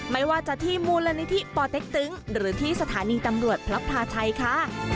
ไม่ว่าจะที่มูลนิธิปอเต็กตึงหรือที่สถานีตำรวจพระพลาชัยค่ะ